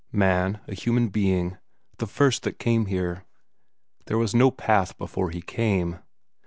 Man, a human being, the first that came here. There was no path before he came.